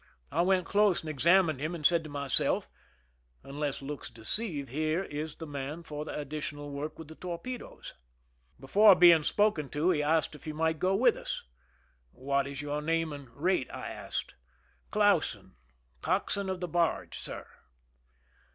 I went close and examined him, and said to myself :" Un less looks deceive, he is the man for the additional work with the torpedoes." Before being spoken to he asked if he might go with us. What is your name and rate ?" I asked. *' Clausen, cockswain of the barge, sir."